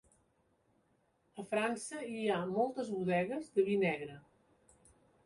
A França hi ha moltes bodegues de vi negre.